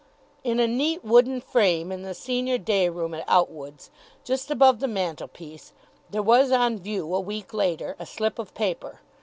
In a neat wooden frame in the senior day room at Outwood's, just above the mantelpiece, there was on view, a week later, a slip of paper.